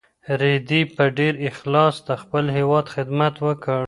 رېدي په ډېر اخلاص د خپل هېواد خدمت وکړ.